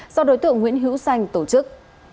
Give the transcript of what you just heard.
do đối tượng nguyễn hữu xanh tổ chức